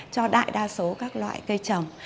cho đại đa số các loại cây trồng